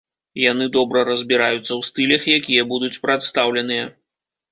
Яны добра разбіраюцца ў стылях, якія будуць прадстаўленыя.